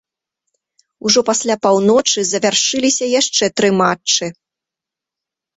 Ужо пасля паўночы завяршыліся яшчэ тры матчы.